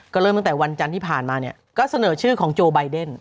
ก็เริ่มตั้งแต่วันจันทร์ที่ผ่านมาเนี่ยก็เสนอชื่อของโจไบเดน